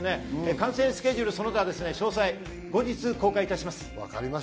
観戦スケジュール、その他、詳細は後日公開します。